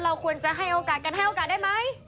ควรจะให้โอกาสกันให้โอกาสได้ไหม